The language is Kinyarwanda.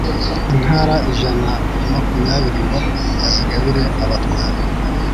intara ijana na makumyabiri ngo azigabire abatware